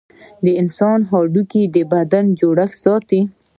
د انسان هډوکي د بدن جوړښت ساتي.